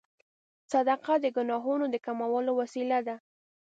صدقه د ګناهونو د کمولو وسیله ده.